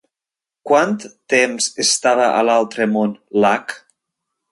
Quant temps estava a l'altre món l'Akh?